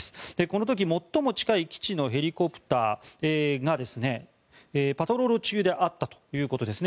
この時最も近い基地のヘリコプターがパトロール中であったということです。